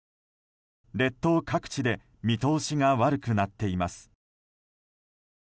列島各地で見通しが悪くなっています。